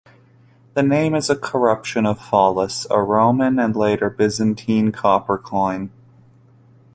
The name is a corruption of "follis", a Roman and later Byzantine copper coin.